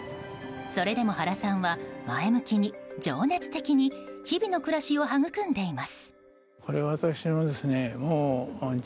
それでも原さんは前向きに情熱的に日々の暮らしを育んでいます。